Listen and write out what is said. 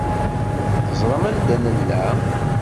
Teẓram anda nella?